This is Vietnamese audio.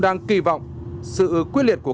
đang kỳ vọng sự quyết liệt của